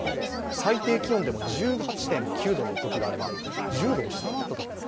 最低気温でも１８．９度のときがあれば１０度を下回ったときもある。